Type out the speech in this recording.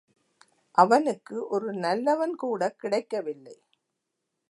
அவனுக்கு ஒரு நல்லவன்கூடக் கிடைக்கவில்லை.